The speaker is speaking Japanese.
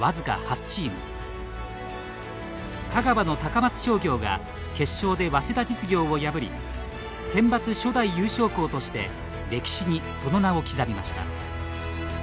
香川の高松商業が決勝で早稲田実業を破りセンバツ初代優勝校として歴史に、その名を刻みました。